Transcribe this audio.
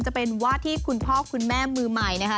จะเป็นว่าที่คุณพ่อคุณแม่มือใหม่นะคะ